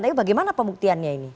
tapi bagaimana pembuktiannya ini